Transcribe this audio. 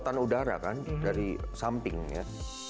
angkatan udara kan dari samping ya